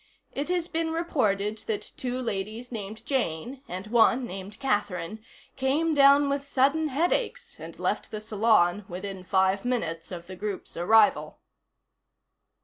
It has been reported that two ladies named Jane, and one named Catherine, came down with sudden headaches and left the salon within five minutes of the group's arrival.